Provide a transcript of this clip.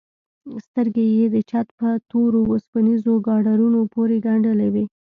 سترگې يې د چت په تورو وسپنيزو ګاډرونو پورې گنډلې وې.